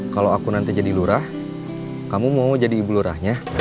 kalau aku nanti jadi lurah kamu mau jadi ibu lurahnya